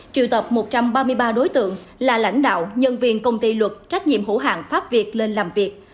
triệu tập một trăm ba mươi ba đối tượng là lãnh đạo nhân viên công ty luật trách nhiệm hữu hạng pháp việt lên làm việc